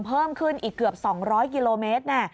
เพิ่มขึ้นอีกเกือบ๒๐๐กิโลเมตร